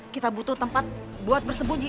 kita butuh tempat buat bersembunyi